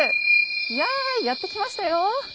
いややって来ましたよ！